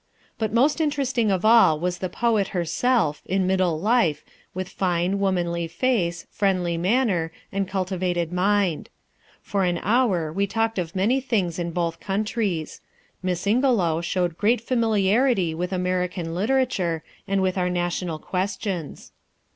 But most interesting of all was the poet herself, in middle life, with fine, womanly face, friendly manner, and cultivated mind. For an hour we talked of many things in both countries. Miss Ingelow showed great familiarity with American literature and with our national questions.